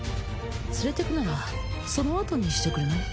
連れてくならその後にしてくれない？